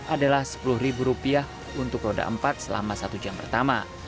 adalah rp sepuluh untuk roda empat selama satu jam pertama